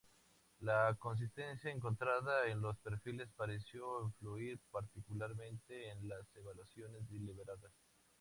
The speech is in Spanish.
La consistencia encontrada en los perfiles pareció influir particularmente en las evaluaciones deliberadas.